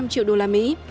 ba trăm linh triệu đô la mỹ